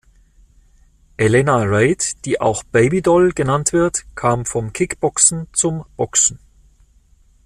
Elena Reid, die auch „Baby Doll“ genannt wird, kam vom Kickboxen zum Boxen.